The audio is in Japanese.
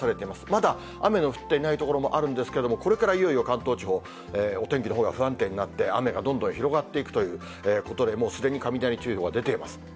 まだ雨の降っていない所もあるんですけれども、これからいよいよ関東地方、お天気のほうが不安定になって、雨がどんどん広がっていくということで、もうすでに雷注意報が出ています。